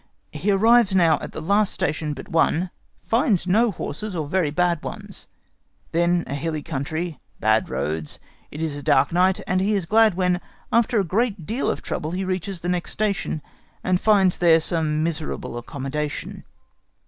He arrives now at the last station but one, finds no horses, or very bad ones; then a hilly country, bad roads; it is a dark night, and he is glad when, after a great deal of trouble, he reaches the next station, and finds there some miserable accommodation.